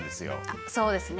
あっそうですね。